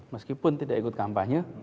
meskipun tidak ikut kampanye